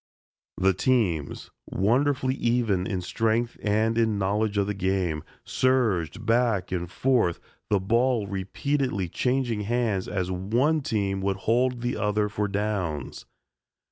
The teams, wonderfully even in strength and in knowledge of the game, surged back and forth, the ball repeatedly changing hands as one team would hold the other for downs.